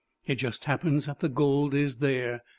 It just happens that the gold is there.